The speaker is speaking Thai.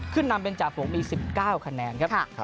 ขึ้นนำเป็นจากฝุ่งมี๑๙คะแนน